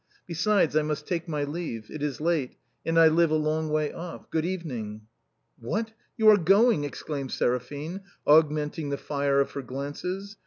" Besides, I must take my leave, it is late and I live a long way off. Good evening." " What ! you are going ?" exclaimed Seraphine, aug menting the fire of her glances.